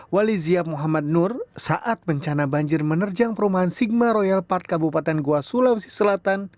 walizia muhammad nur saat bencana banjir menerjang perumahan sigma royal park kabupaten goa sulawesi selatan